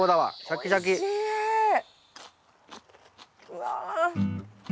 うわ。